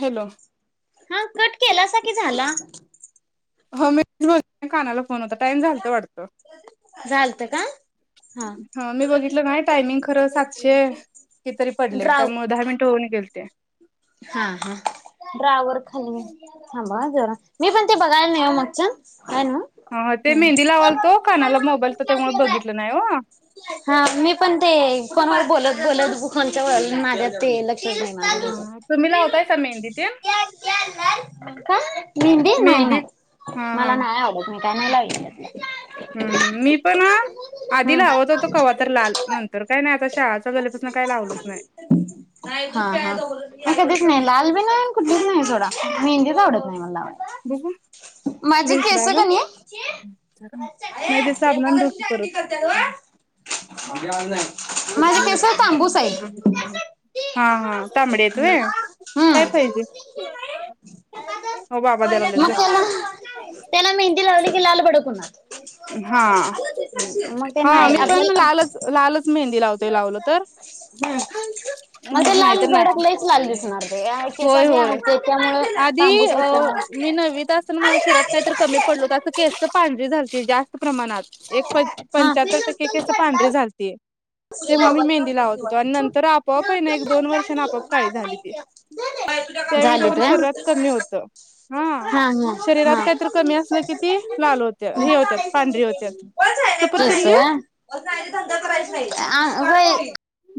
Hello हा cut केलासा कि झाला हो मी रज कानाला फोन होता टाइम झालत वाटत झालत का हा मी बघितलं कि तरी पडले ड्राव त्यामुळे दहा मिनिट होऊन गेल ते हा, हा ड्रावर खाली ब जर मी पण ते बघायला नाही हो मगच्यान अन ते ह मेहंदी लावाल तो कानाला मोबाईल तर त्यामुळे बघितलं नाही हो हा मी पण ते फोनवर बोलत बोलत कोच्या माझ्या ते लक्ष तुम्ही लावताय का मेहंदी ते मेंदी नाही मेहंदी नाही हा मला नाही आवडत मी काय नाही लावच त्यात हम्म, हम् मी पण आधी लावत होतो कवातर लाल हम्म नंतर काय नाही आता शाळाचा झाल्यापासून काय लावलंच नाही नाहीय हा हा म कधीच नाही लाल बी नाही कुठेच नाही थोडा मेहंदीच आवडत नाही मला बघु माझी केस का नाही नाही ते साबणान धु की [unintelligible] माझ्या केस तांबूस आहेत परत हा हा तांबडे आहेत व्हय हम् काय पाहिजे? हो बाबा द्यायला लागलेत मग जा. त्याला त्याला मेहंदी लावली कि लालभडक हा मग ते हा नाही मी पण आपल्याला लालच लालच मेहंदी लावतेय लावलं तर ह म्हणजे नाही लाल तर नाही भडक लईच लाल दिसणार ते केस होय होय हते त्यामु आधी तांबूस अ आहेत मी त्यामुळे नववीत शरीरात काय तर कमी पडल क पांढरी झा जास्त प्रमाणात एक पंच्याहत्तर टक्के कस पांढरी झालते बुद्ध आपोआप आहे ना एक दोन वर्षांन आपोआप काळी झाली ती. त्यावेळी झालेत काहीतरी र शरीरात कमी होतं हा हा शरीरात हा. काहीतरी कमी असलं कि ती लाल होत्या हे होत्यात पच पांढरी होत्यात हाय नाही सफरचंद तसं देऊ पण हाय नाही धंदा करायच नाही. आ होय.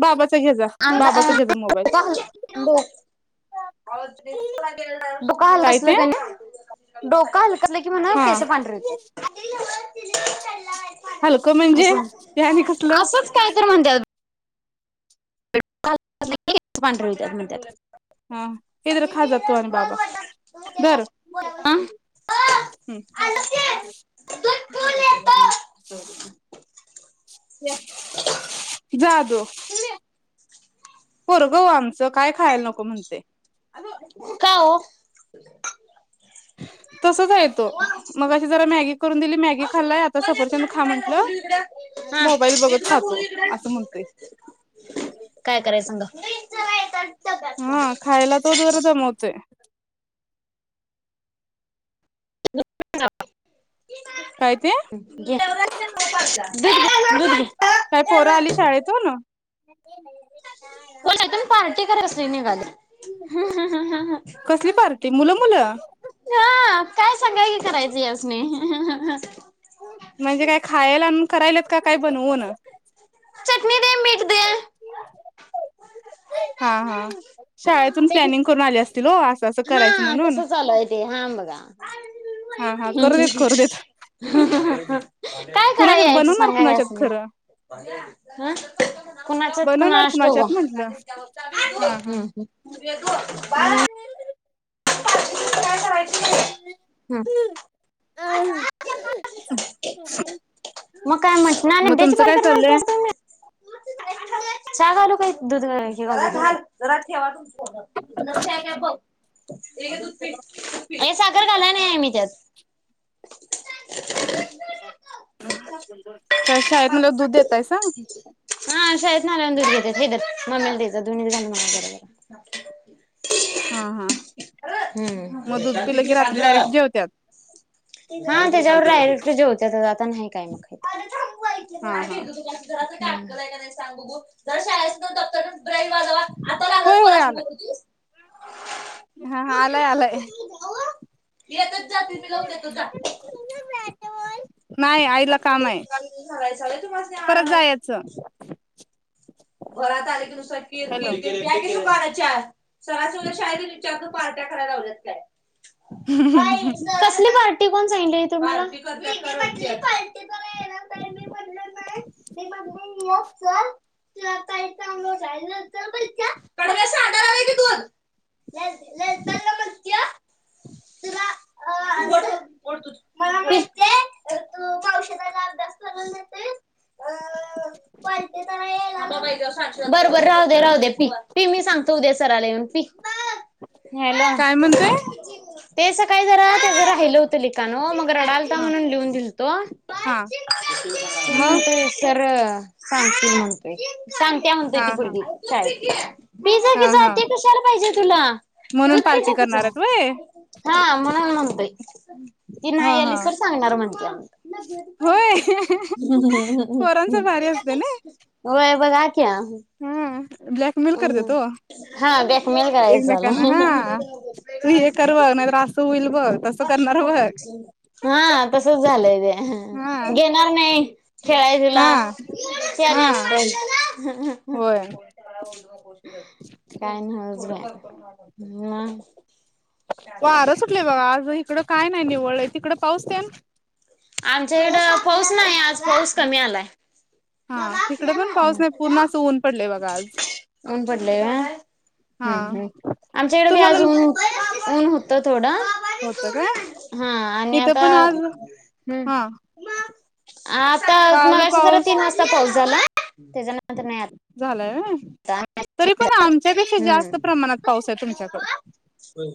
बाबाचा घे जा आ बाबाचा घे जा मोबाईल [inaudible] लोक डोका हललं काय ते असलं का नाही, डोकं हलकं नाही की म्हणं हा केसं पांढरी हुत्यात. हलकं म्हणजे असं ते आणि कसलं? असंच काय [inaudible] पांढरी हुत्यात म्हणत्यात. हा हा, हे धर खा जा तू आणि बाबा, धर. आ हम्म जा हात दो. पोरगं ओ आमचं काय खायला नको म्हणतंय. का ओ? तसच हाय तो, मगाशी जरा मॅगी करून दिली, मॅगी खाल्लाय. आता सफरचंद खा म्ह णलं हा मोबाईल बघत खातो, असं म्हणतंय. काय करायच सांगा? हा खायला [unintelligible] [inaudible] [unintelligible] दूध घे, दूध घे. काय पोरं आली शाळेतून? फोनातून पार्टी कराय कसली निघाले. कसली पार्टी मुलं मुलं हा, काय सांगा की करायचं यासनी? म्हणजे काय खायला आणून करायल्यात, का काय बनवून? चटणी दे, मीट दे. हा हा शाळेतून चट प्लॅनिंग करून आले असतील हो, असं असं हा करायचं म्हणून तसच आलाय तेे हां बघा. हा हा हं करू देत करू देत हं. काय कराय कुणाच्यात यायचं बनवणार सांगा कुणाच्यात यासनी? खरं हं. कुणाच्यात बनवणार कुणास ठावबा? कुणाच्यात म्हंटलं हा हा [unintelligible] [inaudible] मग काय मग तुमचं काय चाललंय [inaudible] चा घालू काय, दूध घेवा. जरा थांब जरा ठेवा. तुझं लक्ष हाय का बघ. हे घे दूध पी, दूध पी. आगे सागर घालाय नाहीये मी त्यात. [unintelligible] काय शाळेतनं आल्यावर दूध देतायसा? हा शाळेत [inaudible] मग दुध पिलं की, रात्री हम्म. डायरेक्ट जेवत्यात. हा त्याच्यावर डायरेक्ट जेवत्यातच आता नाही काय मग [unintelligible] हा हा होय होय आलाय [unintelligible] हा हा आलाय आलाय [inaudible] नाही आईला काम आहे, परत जायाचं. घरात आले की नुसतं कीर कीर कीर, घ्या कीओ पाडा चार, सरास्नी उद्या शाळेत येऊन विचारतो कराय लावल्यात. [unintelligible] ती कोण सांगितलेली तुम्हाला. [unintelligible] [inaudible] [unintelligible] सांडाय लागलंय की दूध. ह अ मला माहितीय तू औषधाला [unintelligible] द ते अ [unintelligible] बरबर राह दे राह दे पी मी सांगतो उद्या काय म्हणतोय [unintelligible] [inaudible] राहिल होत लिकान हो मग रडलता हा म्हणून लिहून दिलतो. हा मग म्हटलं सर सांगते म्हणतोय सांगत्या म्हणतोय हा ती पुर हा गी शाळेत. हा बिजाकीचा हा त कुशार पाहिजे तुला म्हणून पार्टी दधजाकीचा करणार आहेत व्हय. हा म्हणून म्हंतई ती हा नाई आली हा. सर सांगणार म्हणत्या. होय हम हम हम्म पोरांचं भारी असते ना ह. बया बघा क्या हा ब्लॅकमेल करतेेतो. हा बॅकमेल करायचं एकमेकांना आला. हा तू हे कर बघ नाहीतर असं होईल बघ तस का हां, तसच झालंय हा ते घेणार नाही. खेळायजुला हा हा तेने असत. होय काय नाच. वारं सुटलंय बाघ आज इकडं काय नाय निवळ आहे तिकडं पाऊस आहे? आमच्याकडं पाऊस नाही आज पाऊस कमी आलाय. हा इकडं पण पाऊस नाही पूर्ण असं ऊन पडलेय बघा आज. पडले का? हा हम् हम् आमच्याकडे बी तुम्हाला आज ऊन ऊन होतं थोडं होतं काय हा आणि इथं आता पण आज ह् हा आता काल मग जरा पाऊस तीन वाजता पाऊस झाला. त्याच्या नंतर नाही झालाय व्हय आ [unintelligible] तरी पण आमच्यापेक्षा जास्त प्रमाणात पाऊस आहे तुमच्याकडं पण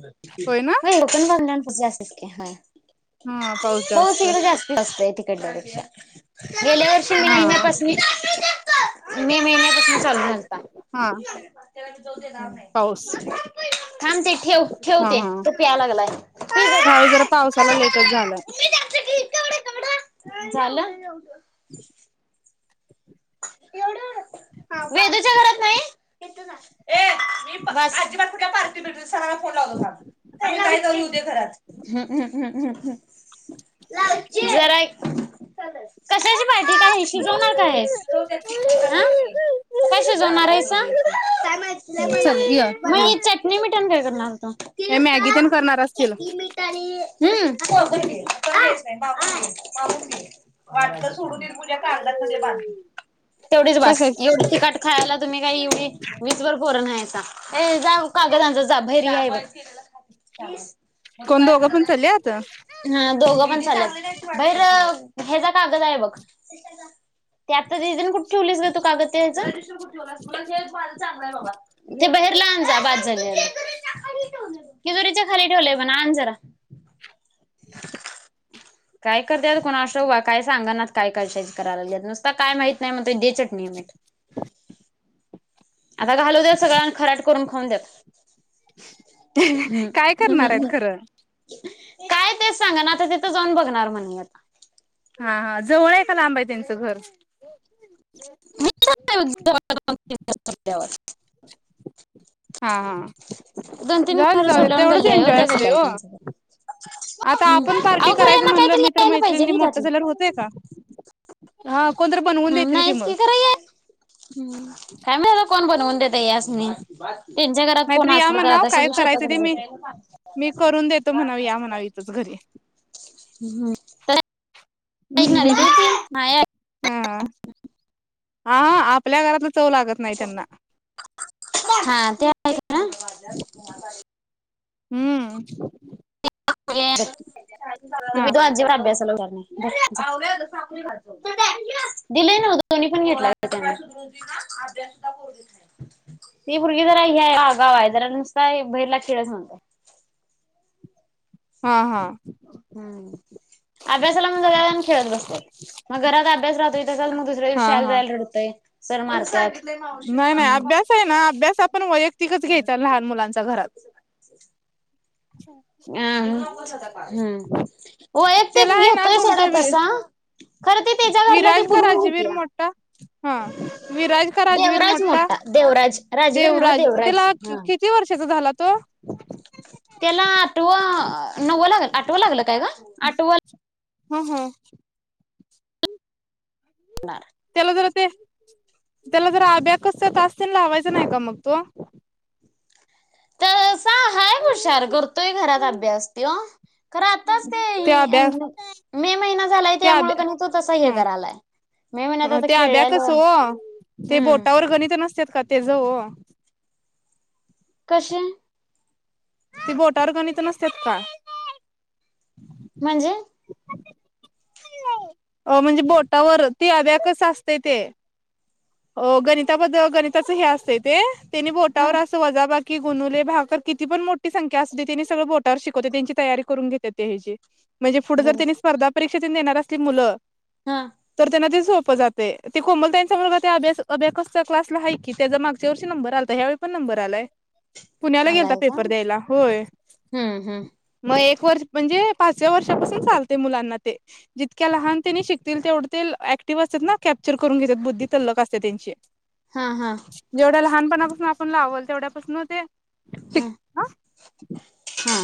ब जा इतक [unintelligible] हा पाऊत जास तिकड जास् असतय तिकडल्यापेक्षा गेल्या वर्षी हा महिन्यापास [unintelligible] मे महिन्यापासून चालू झालता. हा त्याला चौव ते पाऊस नाही. थांबते ठेव हा ठेवते हा तो प्याया लागलाय. ह्यावेळी जरा पावसाला लेटच झालाय. झालं? एवढं वेदुच्या घरात नाही. ए मी भाजी भात [unintelligible] सणाला फोन लावतो थांब. कारात [unintelligible] ह्म्मम्मम्म् कशाची पाार्टी काय शिजवणार काय आहे? हां कसे जमणाते चल य पाह य मी चटनी मिट काय करणारोतो. हे मॅगी तेन करणार असतील चकी मीठ आणि हम्म. च नाही मा मा वाटत सोडून देईल तुझ्या कागदात मध्ये बांधून [unintelligible] [inaudible] तेवढीच बास एवढी कशाची तिकट खायला तुम्ही काही एवढी वीज वर पोरं नायसा ए जा कागद जाभैरी आहे [unintelligible] कोण काय दोघं पण चालल्यात हा दोघ पण चाल [unintelligible] कागद आहे बघ. ते आतािझन कुठ ठेवलीच ग तू [unintelligible] कागदे चांग आहे ते लांजा बाद झालेल. किजोरीच्या खाली ठेवलय म्हण आण जरा [inaudible] काय करत्यात कुणास ठाउक बा? काय सांगाना काय करत्यात कराय लागल्यात? नुसता काय माहीत नाही म्हणतात. नुसता म्हणत्यात दे चटणी, मीट. [inaudible] आता घालू द्या सगळ आणि खराट करून खाऊन देत. ह काय हम्म करणार आहेत हम्म. खरं काय तेच सांगा ना, आता तिथं जाऊन बघणार म्हणे आता. हा हा जव मी जाणार आहे जवळपास [inaudible] हा हा दोन तीन जाऊ दे घर जाऊ दे. सोडल्यावर तेवढंच गल्ली आहे एन्जॉय त्या गल्ली असते आहे हो. त्यांच्या आता हम्म. आपण पार्टी अहो खरं करायच यांना म्हणल काहीतरी मी तर यायला पाहिजे मैत्रिणी नाही मोठ त्यातलं झाल्यावर होतय का. हा कोणतरी बनवून ह देतील नाहीच मग की खरं हे, काय माहित कोण बनवून देत यास नी? त्यांच्या घरात नाहीतर कोण या असल तर म्हणाव आता काय सगळी करायचं शेताकडे ते मी जातात. मी करून देतो म्हणावी या म्हणाव इथंच घरी. हम तर हम ऐकणार हम आहे ते नाही ऐक- हा. आ आपल्या घरात हा ते आहे ना. हम्म. [inaudible] [inaudible] [unintelligible] हा ती पूरगी जरा हे हाय आगाव आहे. जरा नुसता बहिर खेळायच म्हणत्या. हा हा. हम्म अभ्यासाला मग सगळे जण खेळत बसत्यात. मग घरात अभ्यास राहतो ल मग दुसऱ्या दिवशी हा शाळेला हा जायला रडतंय, सर मारत्यात. नाही नाही अभ्यास आहे ना अभ्यास आपण वैयक्तिकच घ्यायचा लहान मुलांचा घरात. हम हम्. त्याला वयक्तिक आहे ना घेतोय सोडा तुमच्या तसा. खरं ते त्याच्या घरला ते विराज का बुलवून राजवीर घेत्या. मोठा हा विराज का राजवीर देवराज मोठा देवराज राजवीर नव्ह देवराज हा. किती वर्षाचा झाला तो? तेला आट [unintelligible] कितवा लागलं आठव लागलं काय ग? आठवा. हम्म हम्म. तेला जरा ते त्याला जर आब्याकस तास तेन लावायचं नाही का मग तू. तसा हाय हुशार करतोय घरात अभ्यास तो. खरं आत्ताच ते त्या अभ्या मे महिना झालाय त्यामुळे तो तस हे करायलाय. मे महिन्यात अ आता ते आब्याकस खेळलेलो ओ ते हम्म बोटावर गणित नसत्यात का तेज ओ. कसे? ती बोटावर गणीत नसतात का. म्हणजे? अ म्हणजे बोटावर ते आब्याकस असते ते. हो गणिताबद्दल गणिताचं हे असत ते त्यांनी हा बोटावर असं वजाबा कि गुणुले भागाकार किती पण मोठी संख्या असते त्यांनी सगळं बोटावर शिकवते त्यांची तयारी करून घेतात ते हे जी. म्हणजे पुढे जर गेली त्यांनी स्पर्धा परीक्षा देणार असली मुलं, हा तर त्यांना ते सो प जातय ते कोमल ताई चा मुलगा अभ्यास अभ्याकस च्या क्लास आहे की त्याचा मागच्या नंबर आलता ह्यावेळी पण नं बर आलाय पुण्याला गेलाता आलाय का पेपर द्यायला. होय हम्म हम्म मग एक वर्ष म्हणजे पाचव्या वर्षापासून चालते मुलांना ते. जितक्या लहान त्यांनी शिकतील तेवढे ऍक्टिव्ह असतात, ना कॅप्चर करून घेतात. बुद्धी तल्लक असते त्यांची. हा हा जेवढ्या लहानपणापासून आपण लावल तेवढ्यापासन ते हो, हा.